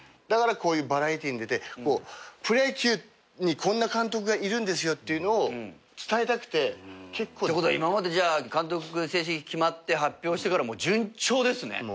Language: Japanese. だからこういうバラエティーに出てプロ野球にこんな監督がいるんですよっていうのを伝えたくて結構。ってことは今までじゃあ監督が正式に決まって発表してから順調ですね。